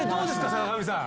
坂上さん。